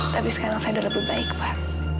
tapi sekarang saya lebih baik pak